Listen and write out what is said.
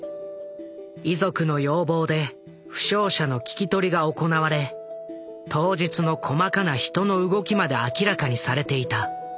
遺族の要望で負傷者の聞き取りが行われ当日の細かな人の動きまで明らかにされていた。